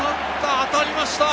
当たりました！